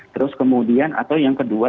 terus kemudian atau yang kedua